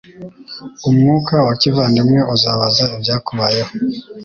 Umwuka wa kivandimwe uzabaza ibyakubayeho, -